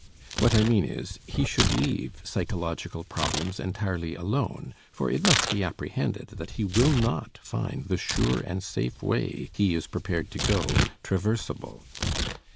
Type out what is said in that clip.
What I mean is, he should leave psychological problems entirely alone, for it must be apprehended that he will not find the sure and safe way he is prepared to go, traversable.